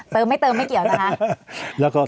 ไม่เติมไม่เกี่ยวนะคะ